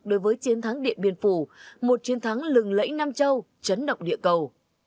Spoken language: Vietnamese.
đối với chiến thắng điện biên phủ một chiến thắng lừng lẫy nam châu chấn động địa cầu